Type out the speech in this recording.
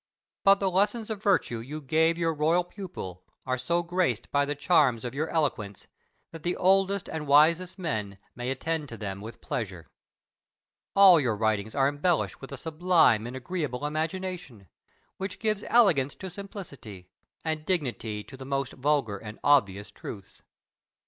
But the lessons of virtue you gave your royal pupil are so graced by the charms of your eloquence that the oldest and wisest men may attend to them with pleasure. All your writings are embellished with a sublime and agreeable imagination, which gives elegance to simplicity, and dignity to the most vulgar and obvious truths.